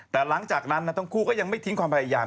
แต่หลังจากนั้นทั้งคู่ก็ยังไม่ทิ้งความพยายาม